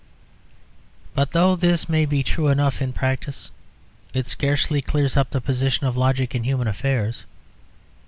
But though this may be true enough in practice, it scarcely clears up the position of logic in human affairs.